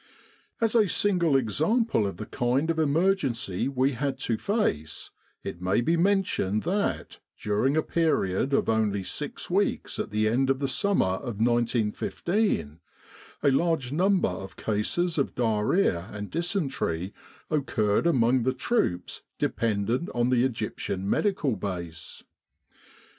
As a single example of the kind of emergency we had to face, it may be mentioned that during a period of only six weeks at the end of the summer of 1915, a large number of cases of diarrhoea and dysentery occurred among the troops dependent on the Egyptian Medical Base.